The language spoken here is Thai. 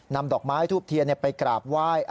ดอกไม้ทูบเทียนไปกราบไหว้